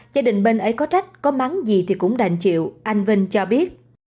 gia đình bên ấy có trách có mắng gì thì cũng đành chịu anh vinh cho biết